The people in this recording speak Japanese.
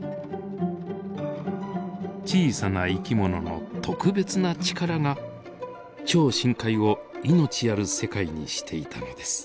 小さな生き物の特別な力が超深海を命ある世界にしていたのです。